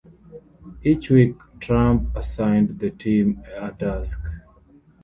Each week, Trump assigned the teams a task.